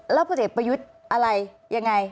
แล้วผลเอกประยุทธ์อะไรยังไง